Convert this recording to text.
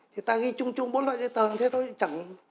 thì ta ghi chung chung bốn loại dây tờ thế thôi chẳng